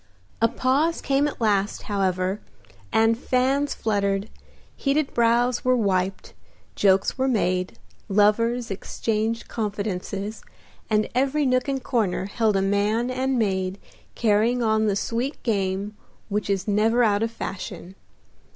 A pause came at last, however, and fans fluttered, heated brows were wiped, jokes were made, lovers exchanged confidences, and every nook and corner held a man and maid carrying on the sweet game which is never out of fashion.